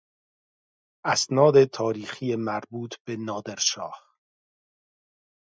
اسناد تاریخی مربوط به نادرشاه